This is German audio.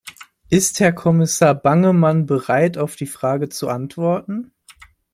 Ist Herr Kommissar Bangemann bereit, auf die Frage zu antworten?